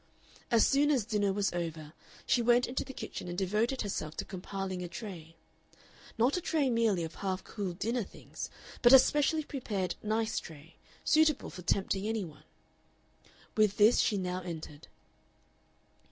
As soon as dinner was over she went into the kitchen and devoted herself to compiling a tray not a tray merely of half cooled dinner things, but a specially prepared "nice" tray, suitable for tempting any one. With this she now entered.